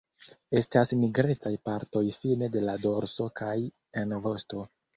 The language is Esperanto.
Estas nigrecaj partoj fine de la dorso kaj en vosto.